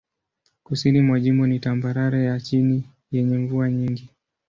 Kusini mwa jimbo ni tambarare ya chini yenye mvua nyingi.